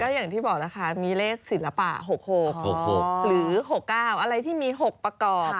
อย่างที่บอกแล้วค่ะมีเลขศิลปะ๖๖๖หรือ๖๙อะไรที่มี๖ประกอบ